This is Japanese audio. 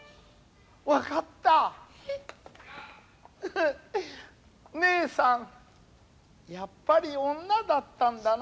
フフねえさんやっぱり女だったんだなあ。